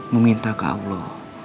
meminta ke allah